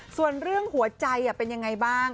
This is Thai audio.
ส่วนเรื่องหัวใจเป็นยังไงบ้าง